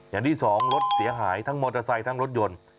อย่างที่สองรถเสียหายทั้งมอเตอร์ไซค์ทั้งรถยนต์